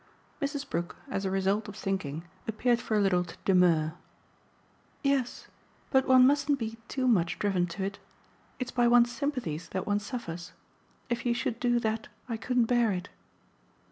Mrs. Brook, as a result of thinking, appeared for a little to demur. "Yes but one mustn't be too much driven to it. It's by one's sympathies that one suffers. If you should do that I couldn't bear it."